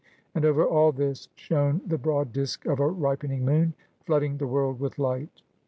And over all this shone the broad disk of a ripening moon, flood ing the world with light.